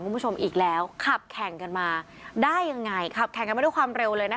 คุณผู้ชมอีกแล้วขับแข่งกันมาได้ยังไงขับแข่งกันมาด้วยความเร็วเลยนะคะ